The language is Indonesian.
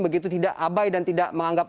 begitu tidak abai dan tidak menganggap